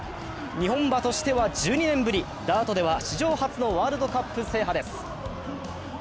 日本馬としては１２年ぶり、ダートでは史上初のワールドカップ制覇です。